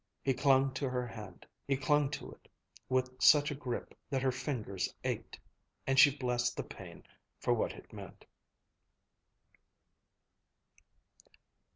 He clung to her hand, he clung to it with such a grip that her fingers ached and she blessed the pain for what it meant.